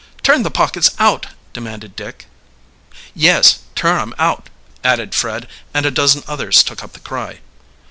"Turn the pockets, out!" demanded Dick. "Yes, turn 'em out!" added Fred, and a dozen others took up the cry.